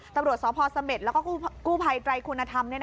ตำรวจสพเสม็ดแล้วก็กู้ภัยไตรคุณธรรม